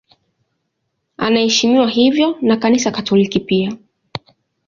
Anaheshimiwa hivyo na Kanisa Katoliki pia.